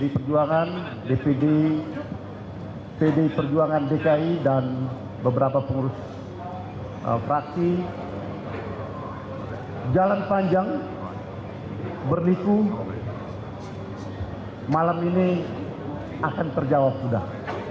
pdi dan beberapa pengurus praksi jalan panjang berliku malam ini akan terjawab sudah